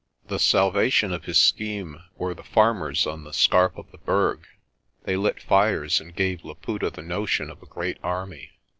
The salvation of his scheme were the farmers on the scarp of the Berg. They lit fires and gave Laputa the notion of a great army.